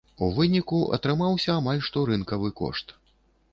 У выніку, атрымаўся амаль што рынкавы кошт.